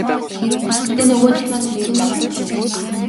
Гэхдээ нөгөөдүүл маань ерөнхийдөө гайгүй шүү.